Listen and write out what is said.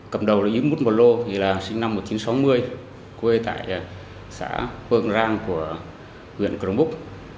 cầm đầu y biomelo là sinh năm một nghìn chín trăm sáu mươi quê tại xã phương rang của huyện cường búc